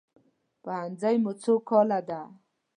پوهنځی مو څو کاله ده؟